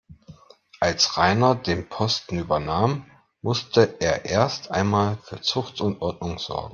Als Rainer den Posten übernahm, musste er erst einmal für Zucht und Ordnung sorgen.